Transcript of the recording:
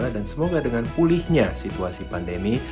dan semoga dengan pulihnya situasi pandemi